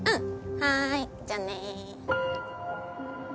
はーい。じゃあね。